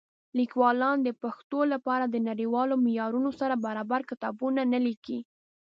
لیکوالان د پښتو لپاره د نړیوالو معیارونو سره برابر کتابونه نه لیکي.